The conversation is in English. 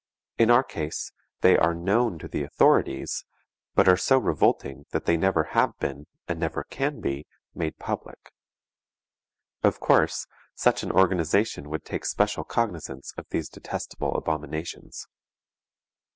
In our case, they are known to the authorities, but are so revolting that they never have been, and never can be, made public. Of course, such an organization would take special cognizance of these detestable abominations.